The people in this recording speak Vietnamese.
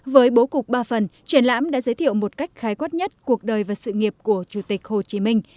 với bố cục ba phần triển lãm đã giới thiệu một cách khái quát nhất cuộc đời và sự nghiệp của chủ tịch hồ chí minh